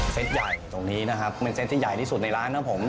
ใหญ่ตรงนี้นะครับเป็นเซตที่ใหญ่ที่สุดในร้านครับผม